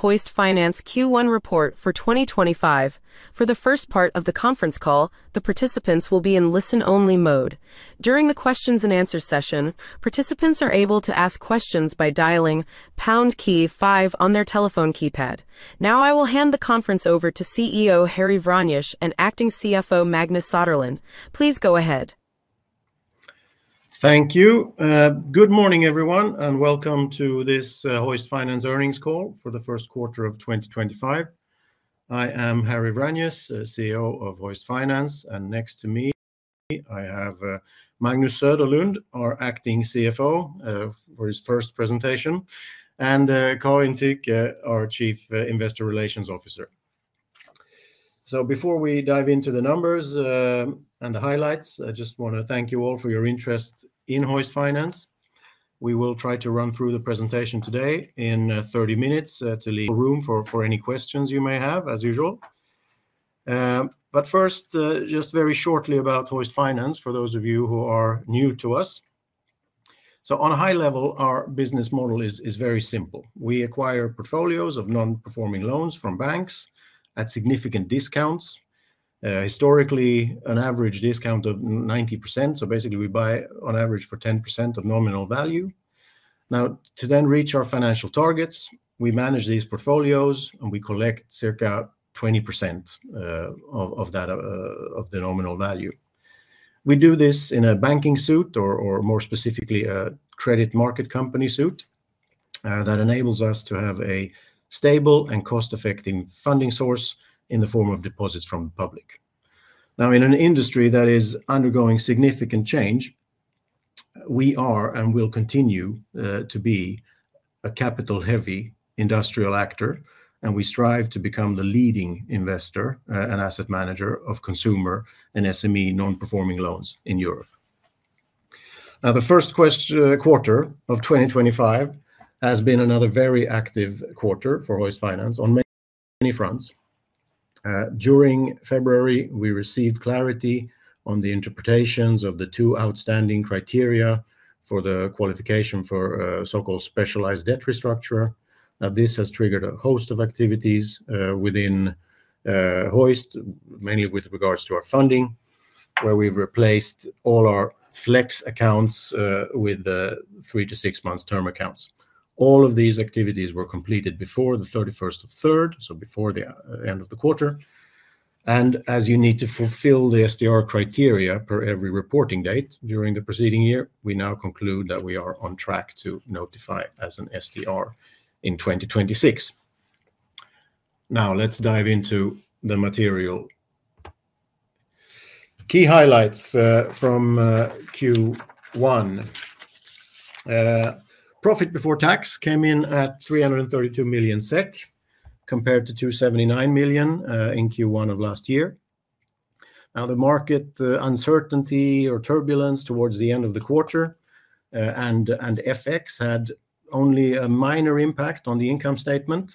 Hoist Finance Q1 report for 2025. For the first part of the conference call, the participants will be in listen-only mode. During the question-and-answer session, participants are able to ask questions by dialing pound key five on their telephone keypad. Now, I will hand the conference over to CEO Harry Vranjes and Acting CFO Magnus Söderlund. Please go ahead. Thank you. Good morning, everyone, and welcome to this Hoist Finance earnings call for the first quarter of 2025. I am Harry Vranjes, CEO of Hoist Finance, and next to me, I have Magnus Söderlund, our Acting CFO for his first presentation, and Karin Tyche, our Chief Investor Relations Officer. Before we dive into the numbers and the highlights, I just want to thank you all for your interest in Hoist Finance. We will try to run through the presentation today in 30 minutes to leave room for any questions you may have, as usual. First, just very shortly about Hoist Finance for those of you who are new to us. On a high level, our business model is very simple. We acquire portfolios of non-performing loans from banks at significant discounts, historically an average discount of 90%. Basically, we buy on average for 10% of nominal value. Now, to then reach our financial targets, we manage these portfolios, and we collect circa 20% of that of the nominal value. We do this in a banking suite, or more specifically, a credit market company suite, that enables us to have a stable and cost-effective funding source in the form of deposits from the public. In an industry that is undergoing significant change, we are and will continue to be a capital-heavy industrial actor, and we strive to become the leading investor and asset manager of consumer and SME non-performing loans in Europe. The first quarter of 2025 has been another very active quarter for Hoist Finance on many fronts. During February, we received clarity on the interpretations of the two outstanding criteria for the qualification for so-called specialized debt restructuring. Now, this has triggered a host of activities within Hoist Finance, mainly with regards to our funding, where we've replaced all our flex accounts with three- to six-month term accounts. All of these activities were completed before the 31st of March, so before the end of the quarter. As you need to fulfill the SDR criteria per every reporting date during the preceding year, we now conclude that we are on track to notify as an SDR in 2026. Now, let's dive into the material. Key highlights from Q1. Profit before tax came in at 332 million SEK, compared to 279 million in Q1 of last year. The market uncertainty or turbulence towards the end of the quarter and FX had only a minor impact on the income statement,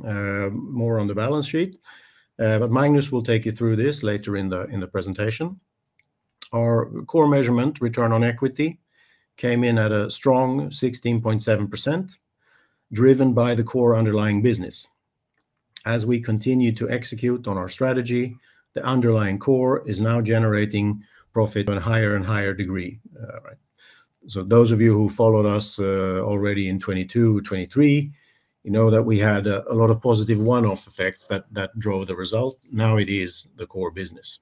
more on the balance sheet, but Magnus will take you through this later in the presentation. Our core measurement, return on equity, came in at a strong 16.7%, driven by the core underlying business. As we continue to execute on our strategy, the underlying core is now generating profit to a higher and higher degree. Those of you who followed us already in 2022, 2023, you know that we had a lot of positive one-off effects that drove the result. Now it is the core business.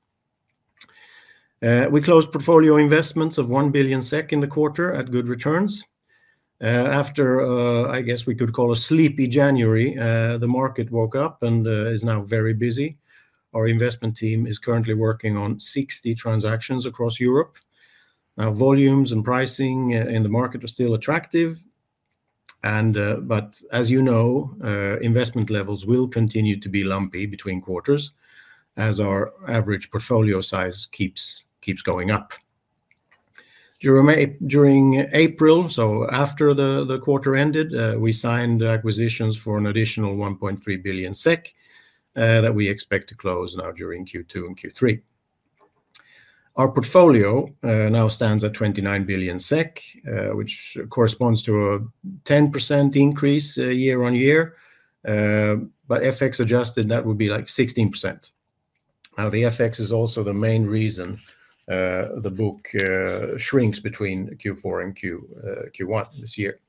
We closed portfolio investments of 1 billion SEK in the quarter at good returns. After, I guess we could call a sleepy January, the market woke up and is now very busy. Our investment team is currently working on 60 transactions across Europe. Now, volumes and pricing in the market are still attractive, but as you know, investment levels will continue to be lumpy between quarters as our average portfolio size keeps going up. During April, so after the quarter ended, we signed acquisitions for an additional 1.3 billion SEK that we expect to close now during Q2 and Q3. Our portfolio now stands at 29 billion SEK, which corresponds to a 10% increase year-on-year, but FX adjusted, that would be like 16%. Now, the FX is also the main reason the book shrinks between Q4 and Q1 this year.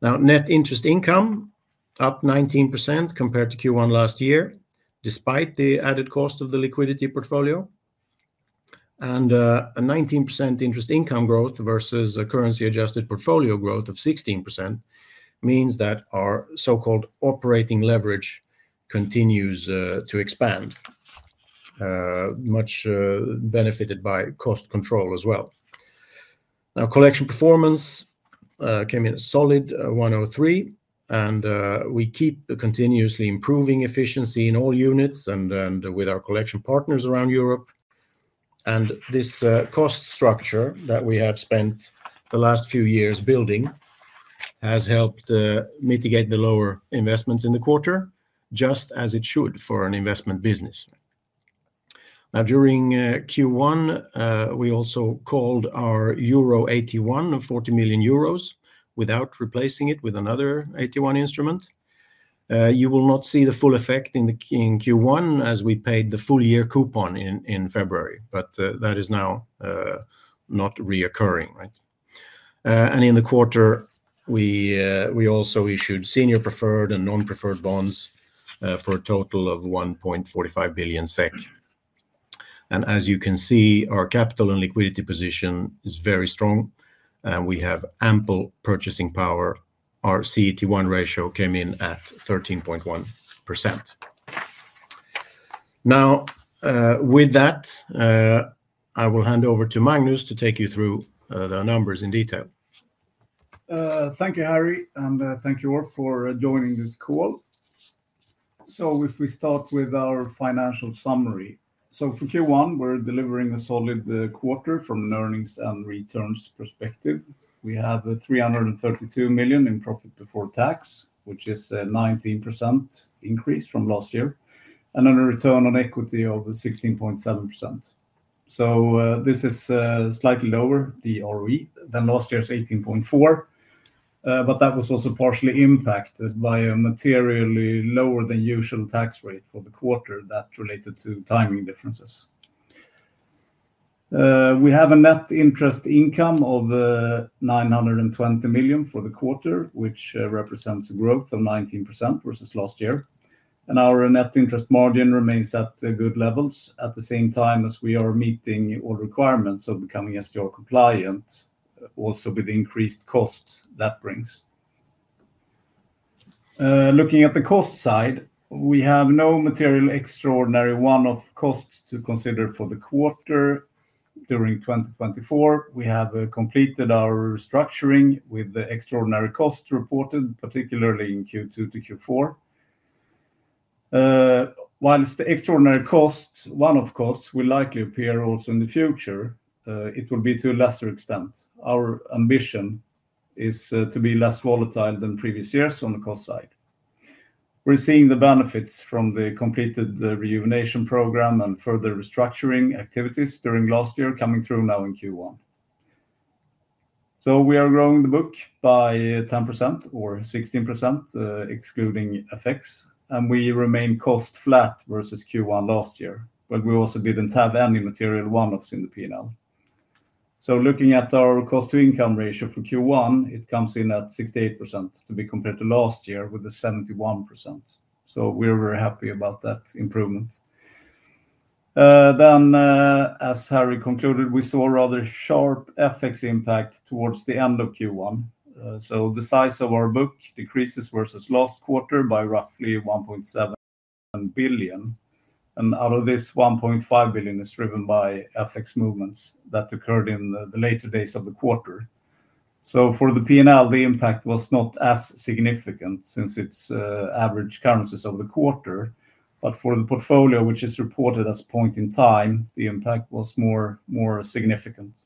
Now, net interest income up 19% compared to Q1 last year, despite the added cost of the liquidity portfolio. A 19% interest income growth versus a currency-adjusted portfolio growth of 16% means that our so-called operating leverage continues to expand, much benefited by cost control as well. Now, collection performance came in a solid 103, and we keep continuously improving efficiency in all units and with our collection partners around Europe. This cost structure that we have spent the last few years building has helped mitigate the lower investments in the quarter, just as it should for an investment business. During Q1, we also called our Euro 81 of 40 million euros without replacing it with another 81 instrument. You will not see the full effect in Q1 as we paid the full year coupon in February, but that is now not reoccurring. In the quarter, we also issued senior preferred and non-preferred bonds for a total of 1.45 billion SEK. As you can see, our capital and liquidity position is very strong, and we have ample purchasing power. Our CET1 ratio came in at 13.1%. With that, I will hand over to Magnus to take you through the numbers in detail. Thank you, Harry, and thank you all for joining this call. If we start with our financial summary. For Q1, we're delivering a solid quarter from an earnings and returns perspective. We have 332 million in profit before tax, which is a 19% increase from last year, and a return on equity of 16.7%. This is slightly lower, the ROE, than last year's 18.4%, but that was also partially impacted by a materially lower than usual tax rate for the quarter that related to timing differences. We have a net interest income of 920 million for the quarter, which represents a growth of 19% versus last year. Our net interest margin remains at good levels at the same time as we are meeting all requirements of becoming SDR compliant, also with the increased cost that brings. Looking at the cost side, we have no material extraordinary one-off costs to consider for the quarter during 2024. We have completed our restructuring with the extraordinary costs reported, particularly in Q2 to Q4. Whilst the extraordinary costs, one-off costs, will likely appear also in the future, it will be to a lesser extent. Our ambition is to be less volatile than previous years on the cost side. We're seeing the benefits from the completed rejuvenation program and further restructuring activities during last year coming through now in Q1. We are growing the book by 10% or 16%, excluding FX, and we remain cost flat versus Q1 last year, but we also did not have any material one-offs in the P&L. Looking at our cost-to-income ratio for Q1, it comes in at 68% to be compared to last year with a 71%. We are very happy about that improvement. As Harry concluded, we saw rather sharp FX impact towards the end of Q1. The size of our book decreases versus last quarter by roughly 1.7 billion. Out of this, 1.5 billion is driven by FX movements that occurred in the later days of the quarter. For the P&L, the impact was not as significant since it is average currencies of the quarter, but for the portfolio, which is reported as point in time, the impact was more significant.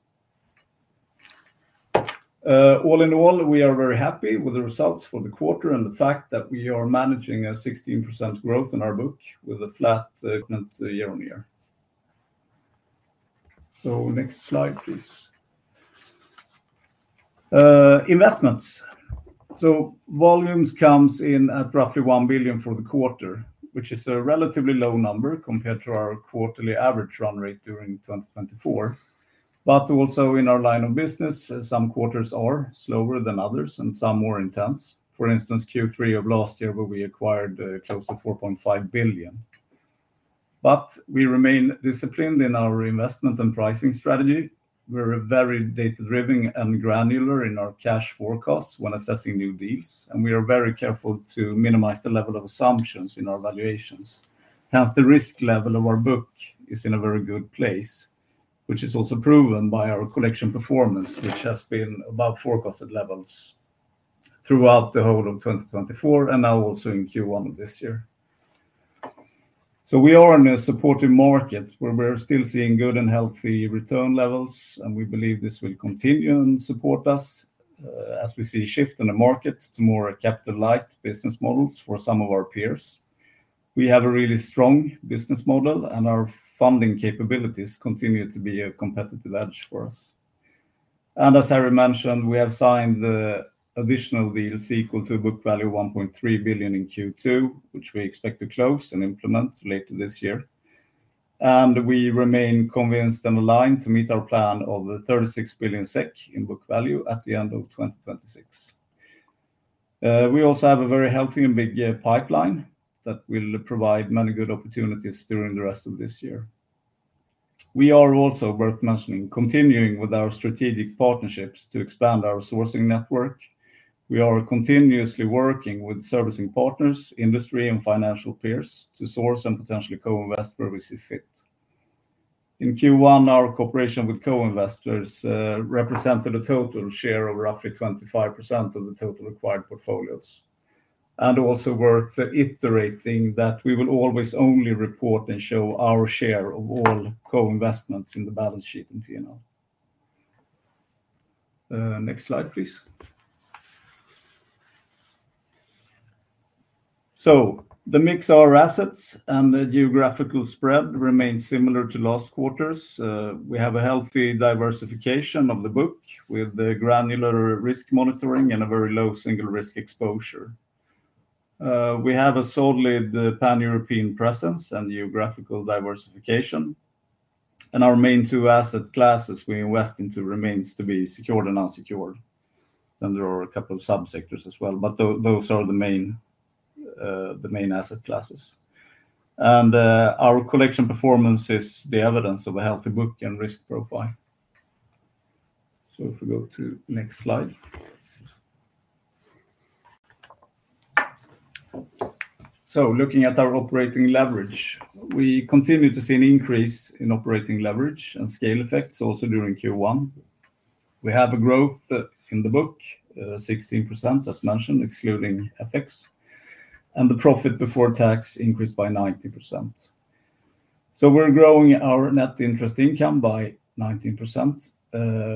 All in all, we are very happy with the results for the quarter and the fact that we are managing a 16% growth in our book with a flat year-on-year. Next slide, please. Investments. Volumes come in at roughly 1 billion for the quarter, which is a relatively low number compared to our quarterly average run rate during 2024. Also in our line of business, some quarters are slower than others and some more intense. For instance, Q3 of last year where we acquired close to 4.5 billion. We remain disciplined in our investment and pricing strategy. We are very data-driven and granular in our cash forecasts when assessing new deals, and we are very careful to minimize the level of assumptions in our valuations. Hence, the risk level of our book is in a very good place, which is also proven by our collection performance, which has been above forecasted levels throughout the whole of 2024 and now also in Q1 of this year. We are in a supportive market where we are still seeing good and healthy return levels, and we believe this will continue and support us as we see a shift in the market to more capital-light business models for some of our peers. We have a really strong business model, and our funding capabilities continue to be a competitive edge for us. As Harry mentioned, we have signed the additional deal sequel to a book value of 1.3 billion in Q2, which we expect to close and implement later this year. We remain convinced and aligned to meet our plan of 36 billion SEK in book value at the end of 2026. We also have a very healthy and big pipeline that will provide many good opportunities during the rest of this year. It is also worth mentioning we are continuing with our strategic partnerships to expand our sourcing network. We are continuously working with servicing partners, industry, and financial peers to source and potentially co-invest where we see fit. In Q1, our cooperation with co-investors represented a total share of roughly 25% of the total acquired portfolios. is also worth iterating that we will always only report and show our share of all co-investments in the balance sheet and P&L. Next slide, please. The mix of our assets and the geographical spread remains similar to last quarters. We have a healthy diversification of the book with granular risk monitoring and a very low single risk exposure. We have a solid pan-European presence and geographical diversification. Our main two asset classes we invest into remain to be secured and unsecured. There are a couple of subsectors as well, but those are the main asset classes. Our collection performance is the evidence of a healthy book and risk profile. If we go to the next slide. Looking at our operating leverage, we continue to see an increase in operating leverage and scale effects also during Q1. We have a growth in the book, 16% as mentioned, excluding FX. The profit before tax increased by 19%. We are growing our net interest income by 19%,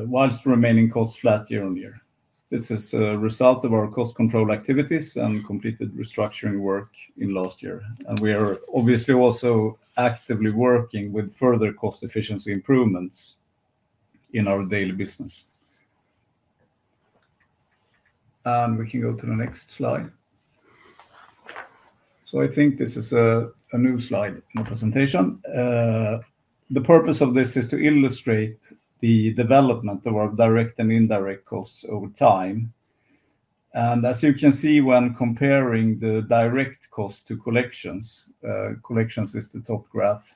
whilst remaining cost flat year-on-year. This is a result of our cost control activities and completed restructuring work in last year. We are obviously also actively working with further cost efficiency improvements in our daily business. We can go to the next slide. I think this is a new slide in the presentation. The purpose of this is to illustrate the development of our direct and indirect costs over time. As you can see when comparing the direct cost to collections, collections is the top graph,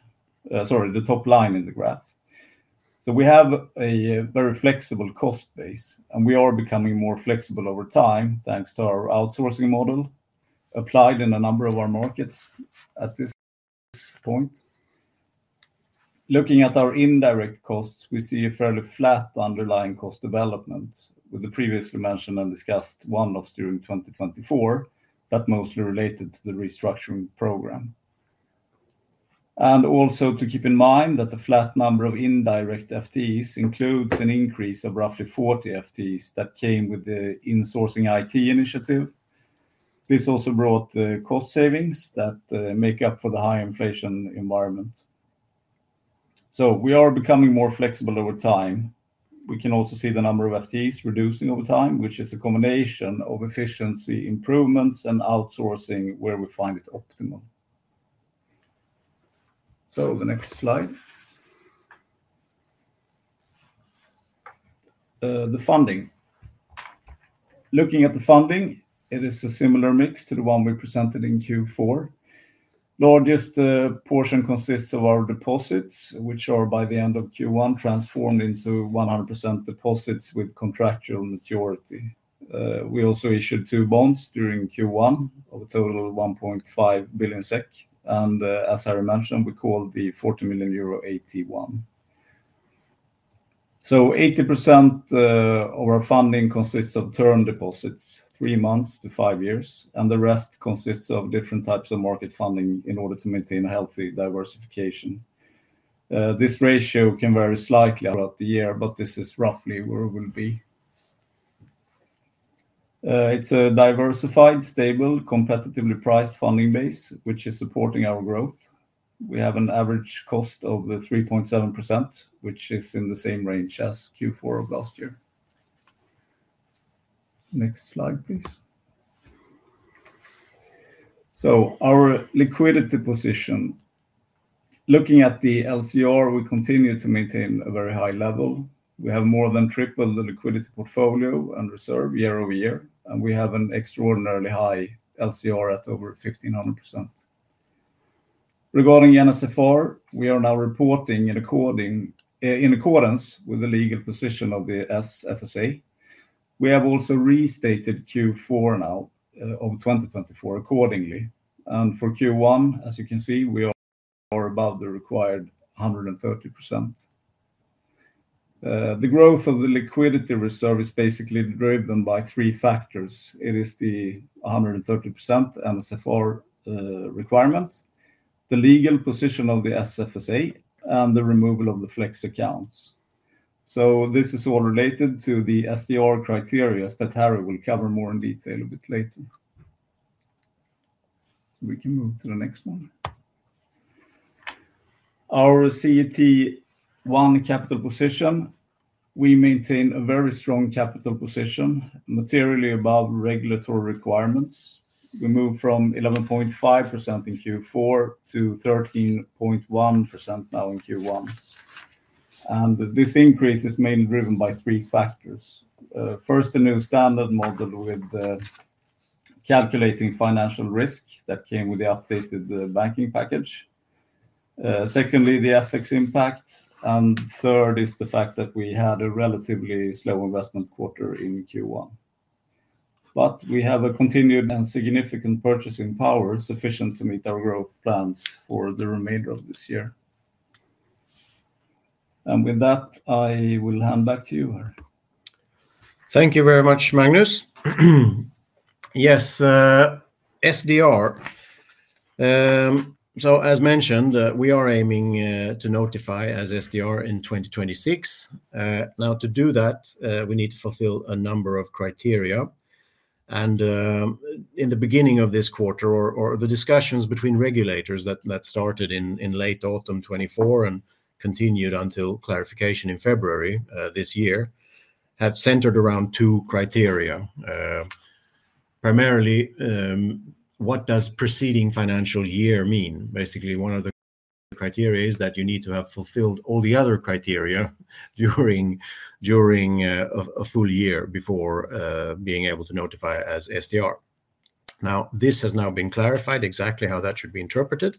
sorry, the top line in the graph. We have a very flexible cost base, and we are becoming more flexible over time thanks to our outsourcing model applied in a number of our markets at this point. Looking at our indirect costs, we see a fairly flat underlying cost development with the previously mentioned and discussed one-offs during 2024 that mostly related to the restructuring program. Also to keep in mind that the flat number of indirect FTEs includes an increase of roughly 40 FTEs that came with the insourcing IT initiative. This also brought the cost savings that make up for the high inflation environment. We are becoming more flexible over time. We can also see the number of FTEs reducing over time, which is a combination of efficiency improvements and outsourcing where we find it optimal. The next slide. The funding. Looking at the funding, it is a similar mix to the one we presented in Q4. The largest portion consists of our deposits, which are by the end of Q1 transformed into 100% deposits with contractual maturity. We also issued two bonds during Q1 of a total of 1.5 billion SEK. As Harry mentioned, we called the 40 million euro 81. So, 80% of our funding consists of term deposits, three months to five years, and the rest consists of different types of market funding in order to maintain a healthy diversification. This ratio can vary slightly throughout the year, but this is roughly where we'll be. It's a diversified, stable, competitively priced funding base, which is supporting our growth. We have an average cost of 3.7%, which is in the same range as Q4 of last year. Next slide, please. Our liquidity position. Looking at the LCR, we continue to maintain a very high level. We have more than tripled the liquidity portfolio and reserve year over year, and we have an extraordinarily high LCR at over 1,500%. Regarding NSFR, we are now reporting in accordance with the legal position of the SFSA. We have also restated Q4 now of 2024 accordingly. For Q1, as you can see, we are above the required 130%. The growth of the liquidity reserve is basically driven by three factors. It is the 130% NSFR requirements, the legal position of the SFSA, and the removal of the flex accounts. This is all related to the SDR criteria that Harry will cover more in detail a bit later. We can move to the next one. Our CET1 capital position, we maintain a very strong capital position materially above regulatory requirements. We moved from 11.5% in Q4 to 13.1% now in Q1. This increase is mainly driven by three factors. First, a new standard model with calculating financial risk that came with the updated banking package. Secondly, the FX impact. Third is the fact that we had a relatively slow investment quarter in Q1. We have a continued and significant purchasing power sufficient to meet our growth plans for the remainder of this year. With that, I will hand back to you, Harry. Thank you very much, Magnus. Yes, SDR. As mentioned, we are aiming to notify as SDR in 2026. To do that, we need to fulfill a number of criteria. In the beginning of this quarter, the discussions between regulators that started in late autumn 2024 and continued until clarification in February this year have centered around two criteria. Primarily, what does preceding financial year mean? Basically, one of the criteria is that you need to have fulfilled all the other criteria during a full year before being able to notify as SDR. This has now been clarified exactly how that should be interpreted.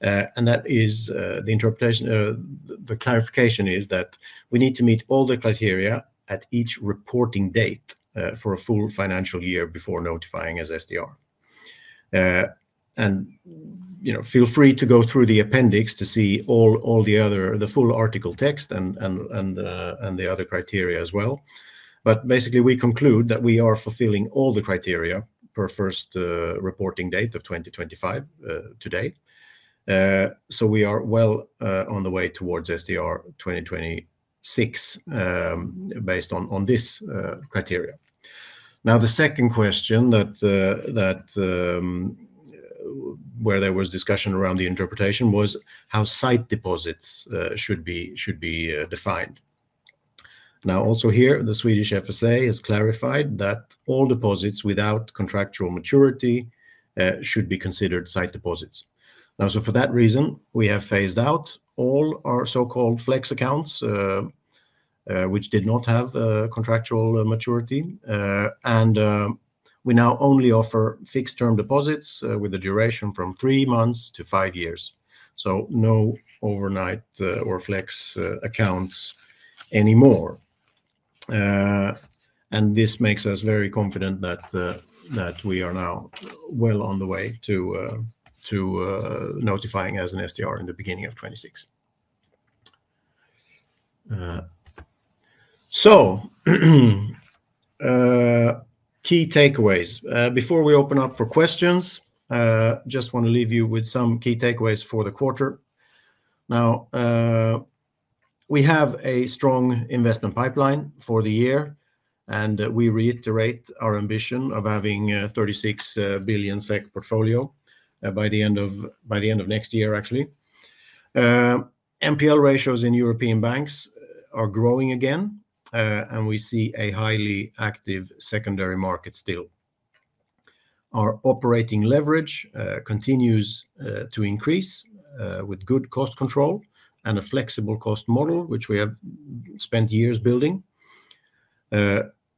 That is the interpretation. The clarification is that we need to meet all the criteria at each reporting date for a full financial year before notifying as SDR. Feel free to go through the appendix to see all the other full article text and the other criteria as well. Basically, we conclude that we are fulfilling all the criteria per first reporting date of 2025 today. We are well on the way towards SDR 2026 based on this criteria. The second question where there was discussion around the interpretation was how site deposits should be defined. Now, also here, the Swedish Financial Supervisory Authority has clarified that all deposits without contractual maturity should be considered site deposits. For that reason, we have phased out all our so-called flex accounts, which did not have contractual maturity. We now only offer fixed term deposits with a duration from three months to five years. No overnight or flex accounts anymore. This makes us very confident that we are now well on the way to notifying as an SDR in the beginning of 2026. Key takeaways. Before we open up for questions, I just want to leave you with some key takeaways for the quarter. We have a strong investment pipeline for the year, and we reiterate our ambition of having a 36 billion SEK portfolio by the end of next year, actually. NPL ratios in European banks are growing again, and we see a highly active secondary market still. Our operating leverage continues to increase with good cost control and a flexible cost model, which we have spent years building.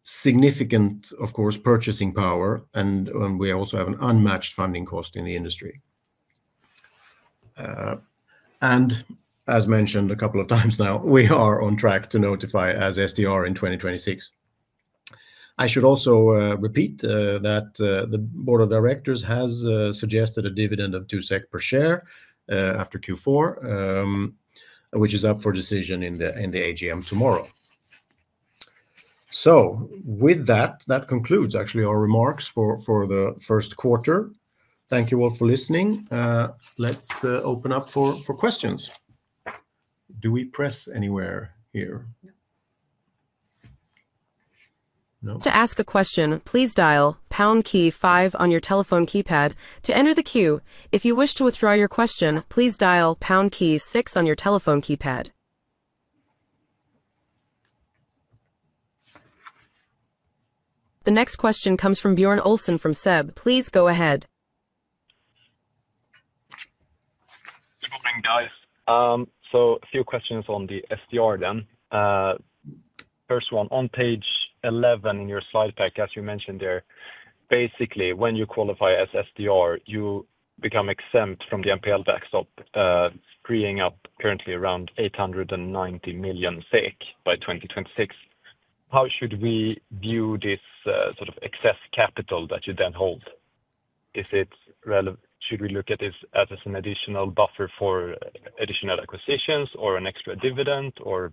Significant, of course, purchasing power, and we also have an unmatched funding cost in the industry. As mentioned a couple of times now, we are on track to notify as SDR in 2026. I should also repeat that the board of directors has suggested a dividend of 2 SEK per share after Q4, which is up for decision in the AGM tomorrow. That concludes actually our remarks for the first quarter. Thank you all for listening. Let's open up for questions. Do we press anywhere here? No. To ask a question, please dial pound key five on your telephone keypad to enter the queue. If you wish to withdraw your question, please dial pound key six on your telephone keypad. The next question comes from Björn Olsson from SEB. Please go ahead. Good morning, guys. A few questions on the SDR then. First one, on page 11 in your slide pack, as you mentioned there, basically when you qualify as SDR, you become exempt from the MPL backstop, freeing up currently around 890 million SEK by 2026. How should we view this sort of excess capital that you then hold? Should we look at this as an additional buffer for additional acquisitions or an extra dividend, or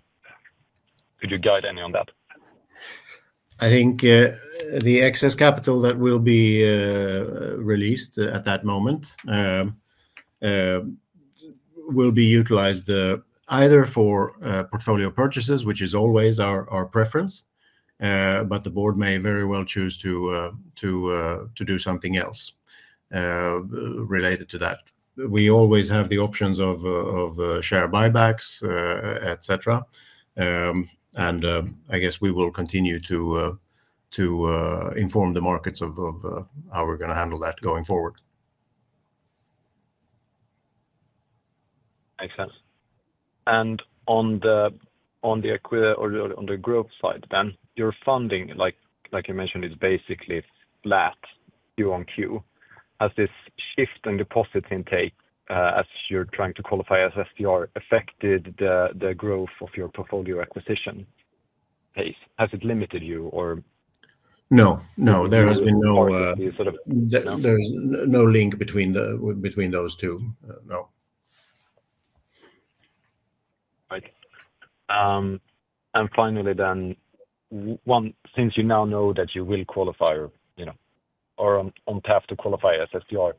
could you guide any on that? I think the excess capital that will be released at that moment will be utilized either for portfolio purchases, which is always our preference, but the board may very well choose to do something else related to that. We always have the options of share buybacks, etc. I guess we will continue to inform the markets of how we are going to handle that going forward. Makes sense. On the growth side then, your funding, like you mentioned, is basically flat, QoQ. Has this shift in deposit intake, as you are trying to qualify as SDR, affected the growth of your portfolio acquisition pace? Has it limited you or? No, no. There has been no sort of no link between those two. No. Right. Finally then, since you now know that you will qualify or are on path to qualify as SDR,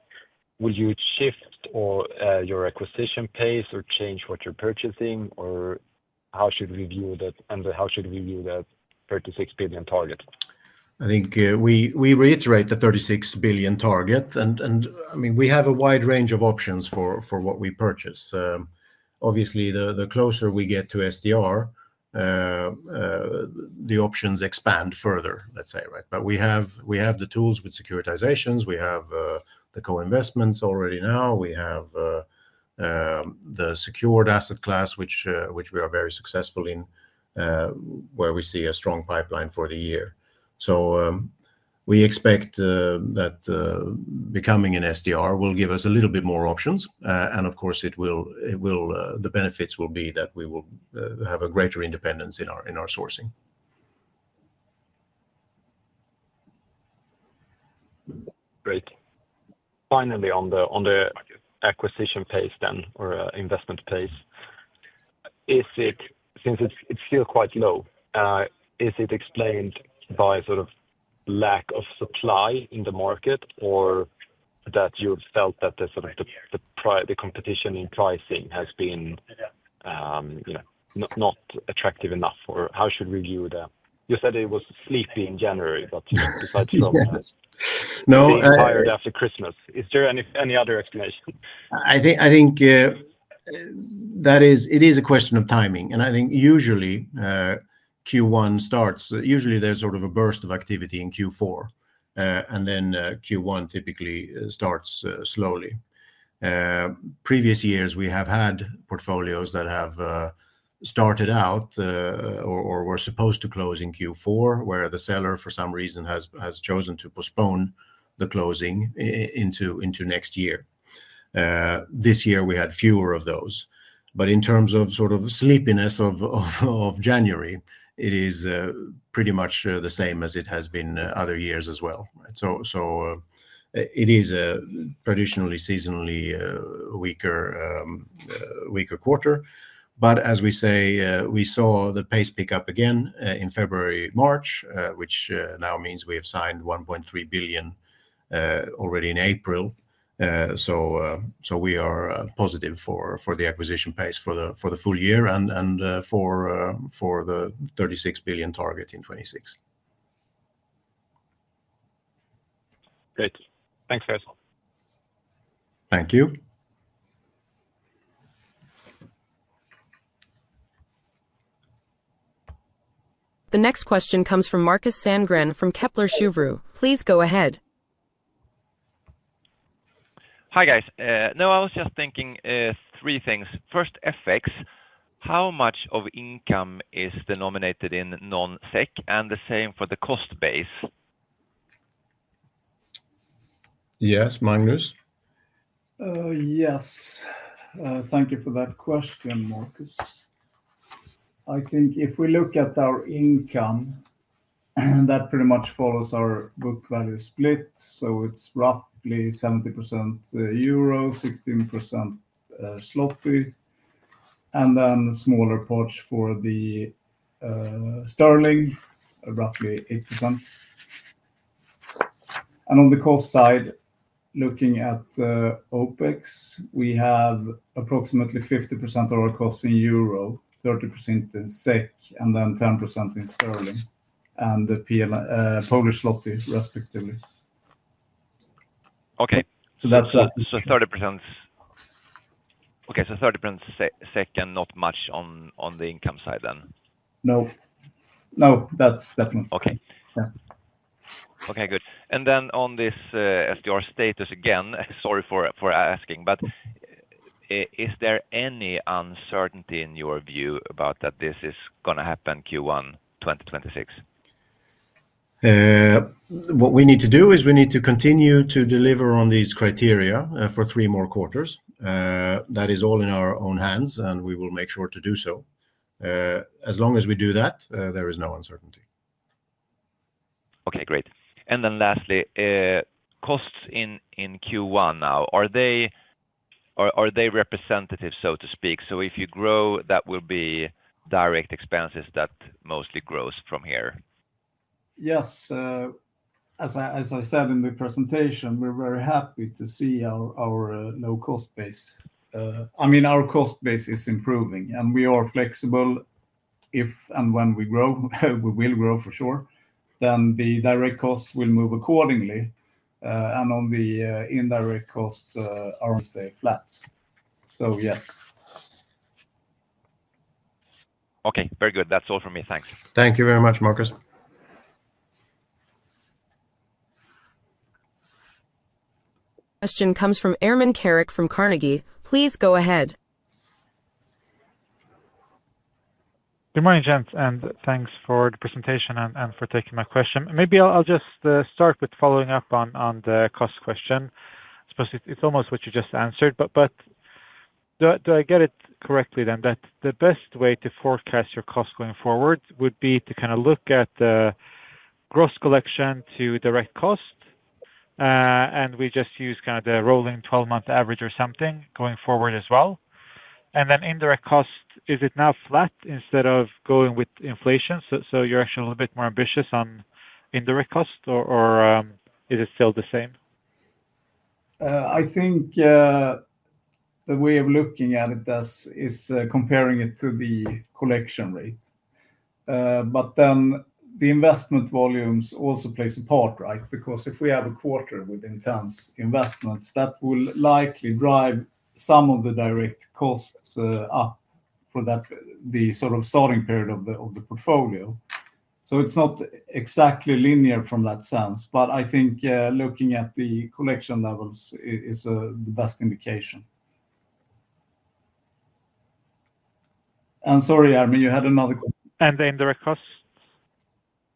will you shift your acquisition pace or change what you are purchasing, or how should we view that, and how should we view that 36 billion target? I think we reiterate the 36 billion target, and I mean, we have a wide range of options for what we purchase. Obviously, the closer we get to SDR, the options expand further, let's say, right? We have the tools with securitizations. We have the co-investments already now. We have the secured asset class, which we are very successful in, where we see a strong pipeline for the year. We expect that becoming an SDR will give us a little bit more options. Of course, the benefits will be that we will have a greater independence in our sourcing. Great. Finally, on the acquisition pace then or investment pace, since it's still quite low, is it explained by sort of lack of supply in the market or that you've felt that the competition in pricing has been not attractive enough, or how should we view that? You said it was sleepy in January, but you decided to go ahead and hire it after Christmas. Is there any other explanation? I think that it is a question of timing. I think usually Q1 starts, usually there is sort of a burst of activity in Q4, and then Q1 typically starts slowly. Previous years, we have had portfolios that have started out or were supposed to close in Q4, where the seller for some reason has chosen to postpone the closing into next year. This year, we had fewer of those. In terms of sort of sleepiness of January, it is pretty much the same as it has been other years as well. It is a traditionally seasonally weaker quarter. As we say, we saw the pace pick up again in February, March, which now means we have signed 1.3 billion already in April. We are positive for the acquisition pace for the full year and for the 36 billion target in 2026. Great. Thanks, guys. Thank you. The next question comes from Markus Sandgren from Kepler Cheuvreux. Please go ahead. Hi guys. No, I was just thinking three things. First, FX, how much of income is denominated in non-SEK and the same for the cost base? Yes, Magnus? Yes. Thank you for that question, Markus. I think if we look at our income, that pretty much follows our book value split. It is roughly 70% Euro, 16% Zloty, and then a smaller part for the sterling, roughly 8%. On the cost side, looking at OpEx, we have approximately 50% of our costs in Euro, 30% in SEK, and then 10% in sterling and Polish Zloty, respectively. Okay. That is the 30%. Okay, so 30% SEK and not much on the income side then? No. No, that's definitely. Okay. Okay, good. On this SDR status again, sorry for asking, but is there any uncertainty in your view about that this is going to happen Q1 2026? What we need to do is we need to continue to deliver on these criteria for three more quarters. That is all in our own hands, and we will make sure to do so. As long as we do that, there is no uncertainty. Okay, great. Lastly, costs in Q1 now, are they representative, so to speak? If you grow, that will be direct expenses that mostly grows from here? Yes. As I said in the presentation, we're very happy to see our low cost base. I mean, our cost base is improving, and we are flexible. If and when we grow, we will grow for sure, then the direct costs will move accordingly. On the indirect cost, our stay flat. Yes. Okay, very good. That's all from me. Thanks. Thank you very much, Markus. Question comes from Ermin Keric from Carnegie. Please go ahead. Good morning, gents, and thanks for the presentation and for taking my question. Maybe I'll just start with following up on the cost question. It's almost what you just answered, but do I get it correctly then that the best way to forecast your cost going forward would be to kind of look at the gross collection to direct cost, and we just use kind of the rolling 12-month average or something going forward as well? Indirect cost, is it now flat instead of going with inflation? You're actually a little bit more ambitious on indirect cost, or is it still the same? I think the way of looking at it is comparing it to the collection rate. Then the investment volumes also play a part, right? Because if we have a quarter with intense investments, that will likely drive some of the direct costs up for the sort of starting period of the portfolio. It's not exactly linear from that sense, but I think looking at the collection levels is the best indication. Sorry, Ermin, you had another question. The indirect costs?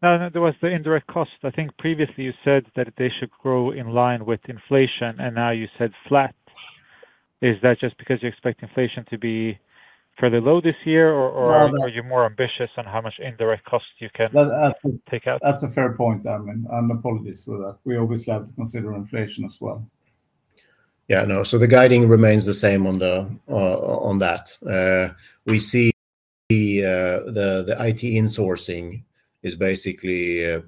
No, no, there was the indirect cost. I think previously you said that they should grow in line with inflation, and now you said flat. Is that just because you expect inflation to be further low this year, or are you more ambitious on how much indirect cost you can take out? That's a fair point, Ermin. Apologies for that. We obviously have to consider inflation as well. Yeah, no. The guiding remains the same on that. We see the IT insourcing is basically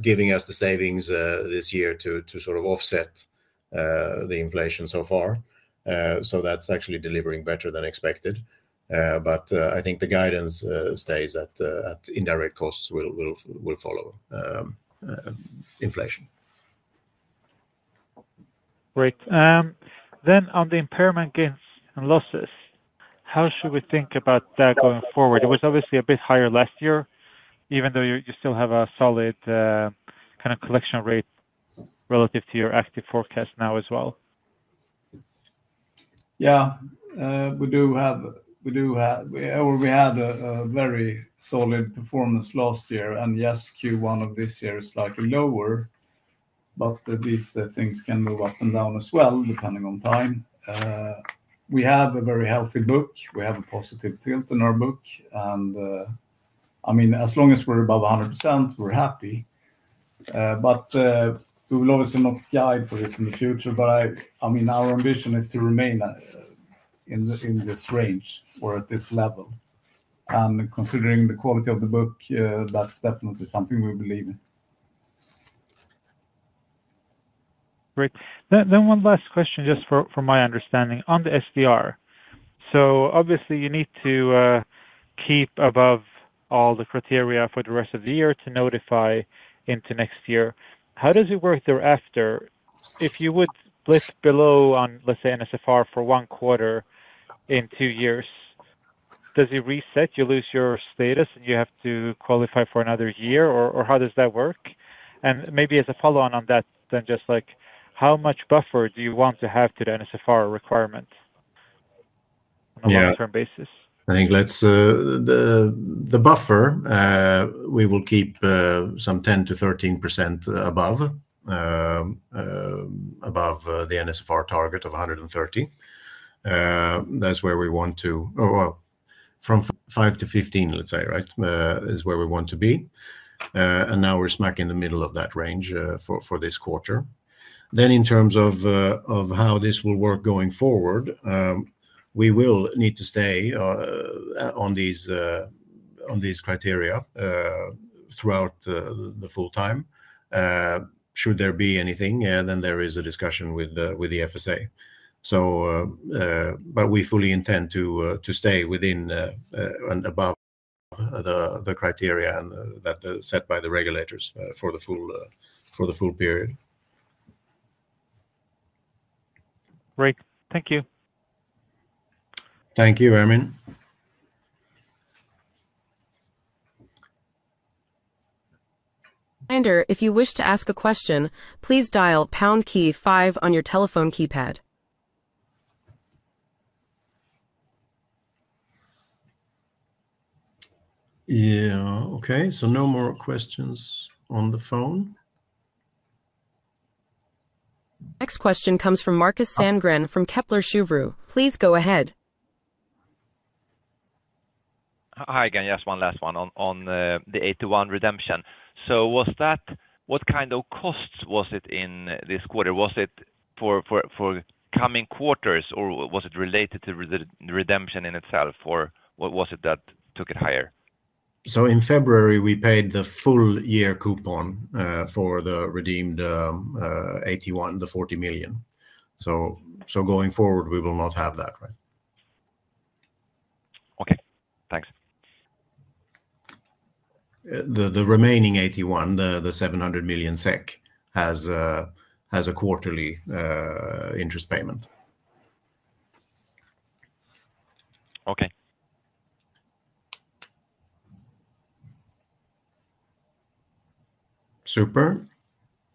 giving us the savings this year to sort of offset the inflation so far. That is actually delivering better than expected. I think the guidance stays that indirect costs will follow inflation. Great. On the impairment gains and losses, how should we think about that going forward? It was obviously a bit higher last year, even though you still have a solid kind of collection rate relative to your active forecast now as well. Yeah. We do have or we had a very solid performance last year. Yes, Q1 of this year is slightly lower, but these things can move up and down as well depending on time. We have a very healthy book. We have a positive tilt in our book. I mean, as long as we're above 100%, we're happy. We will obviously not guide for this in the future. I mean, our ambition is to remain in this range or at this level. Considering the quality of the book, that's definitely something we believe in. Great. One last question just for my understanding. On the SDR, obviously you need to keep above all the criteria for the rest of the year to notify into next year. How does it work thereafter? If you would live below on, let's say, an NSFR for one quarter in two years, does it reset? You lose your status and you have to qualify for another year, or how does that work? Maybe as a follow-on on that, then just like how much buffer do you want to have to the NSFR requirement on a long-term basis? I think the buffer, we will keep some 10%-13% above the NSFR target of 130. That is where we want to, or from 5%-15%, let's say, right? Is where we want to be. Now we are smack in the middle of that range for this quarter. In terms of how this will work going forward, we will need to stay on these criteria throughout the full time. Should there be anything, then there is a discussion with the SFSA. We fully intend to stay within and above the criteria that are set by the regulators for the full period. Great. Thank you. Thank you, Ermin. Reminder, if you wish to ask a question, please dial pound key five on your telephone keypad. Yeah. Okay. No more questions on the phone. Next question comes from Marcus Sandgren from Kepler Cheuvreux. Please go ahead. Hi again. Yes, one last one on the AT1 redemption. What kind of costs was it in this quarter? Was it for coming quarters, or was it related to the redemption in itself, or what was it that took it higher? In February, we paid the full year coupon for the redeemed AT1, the 40 million. Going forward, we will not have that, right? Okay. Thanks. The remaining AT1, the 700 million SEK, has a quarterly interest payment. Okay. Super.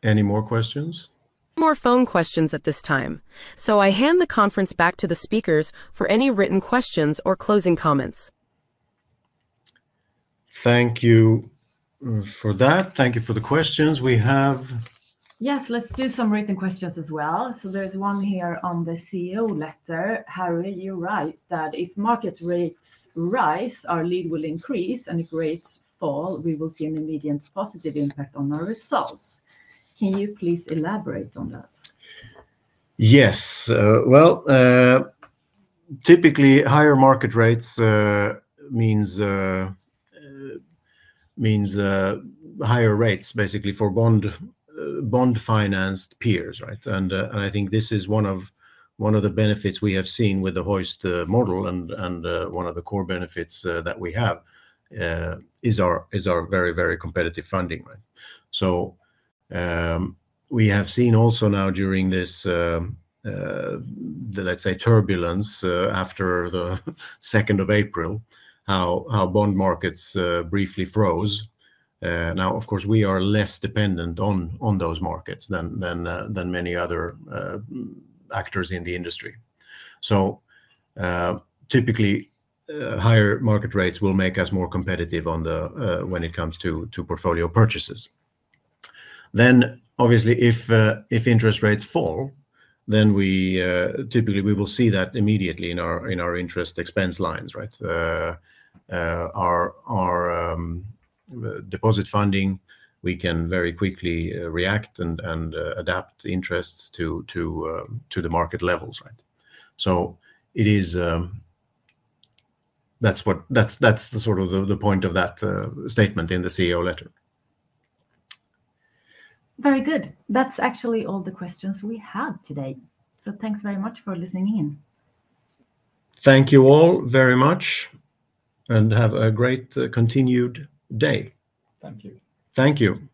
Any more questions? No more phone questions at this time. I hand the conference back to the speakers for any written questions or closing comments. Thank you for that. Thank you for the questions. We have. Yes, let's do some written questions as well. There is one here on the CEO letter. Harry, you write that if market rates rise, our lead will increase, and if rates fall, we will see an immediate positive impact on our results. Can you please elaborate on that? Yes. Typically, higher market rates means higher rates, basically, for bond-financed peers, right? I think this is one of the benefits we have seen with the Hoist model, and one of the core benefits that we have is our very, very competitive funding, right? We have seen also now during this, let's say, turbulence after the 2nd of April, how bond markets briefly froze. Now, of course, we are less dependent on those markets than many other actors in the industry. Typically, higher market rates will make us more competitive when it comes to portfolio purchases. Obviously, if interest rates fall, then typically we will see that immediately in our interest expense lines, right? Our deposit funding, we can very quickly react and adapt interests to the market levels, right? That is sort of the point of that statement in the CEO letter. Very good. That is actually all the questions we had today. Thanks very much for listening in. Thank you all very much, and have a great continued day. Thank you. Thank you.